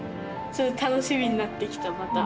楽しみになってきたまた。